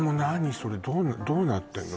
それどうなってんの？